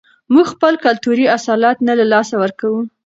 موږ خپل کلتوري اصالت نه له لاسه ورکوو.